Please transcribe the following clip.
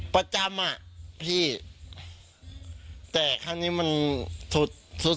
ประจำอ่ะพี่แต่ครั้งนี้มันสุดสุด